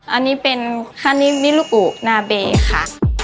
อันนี้เป็นปูฮ็อกไก๊โดค่ะ